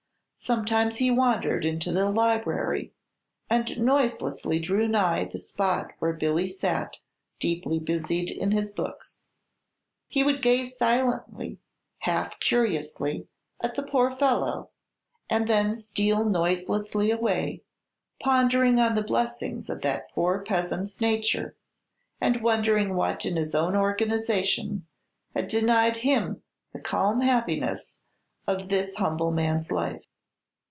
Sometimes he wandered into the library, and noiselessly drew nigh the spot where Billy sat deeply busied in his books. He would gaze silently, half curiously, at the poor fellow, and then steal noiselessly away, pondering on the blessings of that poor peasant's nature, and wondering what in his own organization had denied him the calm happiness of this humble man's life.